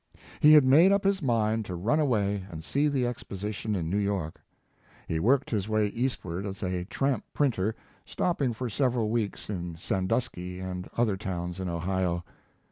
He had made up his mind to run away and see the exposition in New York. He worked his way east ward as a tramp printer, stopping for several weeks in Sandusky and other towns in Ohio.